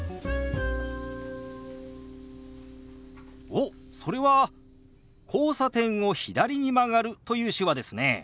おっそれは「交差点を左に曲がる」という手話ですね。